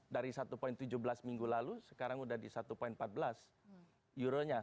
dari satu tujuh belas minggu lalu sekarang sudah di satu empat belas euro nya